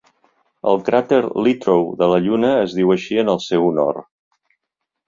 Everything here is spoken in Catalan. El cràter Littrow de la Lluna es diu així en el seu honor.